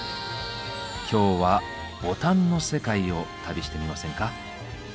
今日はボタンの世界を旅してみませんか？